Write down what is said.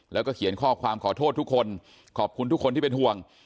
แล้วก็เขียนข้อความขอโทษทุกคนขอบคุณทุกคนที่เป็นห่วง